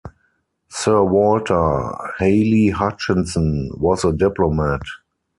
Sir Walter Hely-Hutchinson was a diplomat.